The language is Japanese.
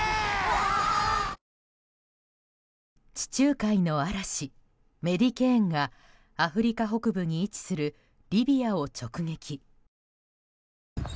わぁ地中海の嵐、メディケーンがアフリカ北部に位置するリビアを直撃。